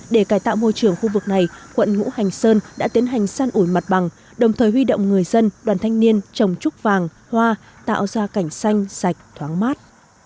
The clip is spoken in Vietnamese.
để cải tạo môi trường khu vực này quận ngũ hành sơn đã tiến hành san ủi mặt bằng đồng thời huy động người dân đoàn thanh niên trồng trúc vàng hoa tạo ra cảnh xanh sạch thoáng mát